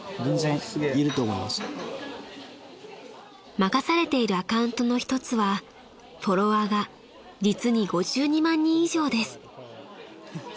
［任されているアカウントの一つはフォロワーが実に５２万人以上です］